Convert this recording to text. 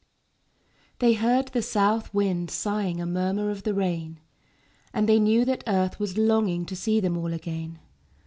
They heard the South wind sighing A murmur of the rain; And they knew that Earth was longing To see them all again.